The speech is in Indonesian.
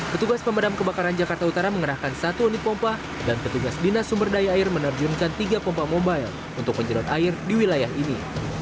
petugas pemadam kebakaran jakarta utara mengerahkan satu unit pompa dan petugas dinas sumber daya air menerjunkan tiga pompa mobile untuk menyedot air di wilayah ini